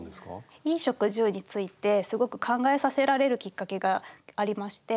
衣食住についてすごく考えさせられるきっかけがありまして。